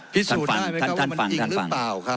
พิสูจน์ได้ไหมครับว่ามันจริงหรือเปล่าครับ